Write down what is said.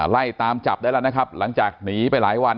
ไล่ตามจับได้แล้วนะครับหลังจากหนีไปหลายวัน